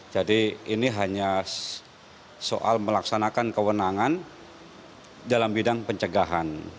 jadi ini hanya soal melaksanakan kewenangan dalam bidang pencegahan